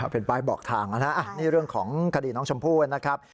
เป็นป้ายบอกทางนะนี่เรื่องของคดีน้องชมพู่นะครับ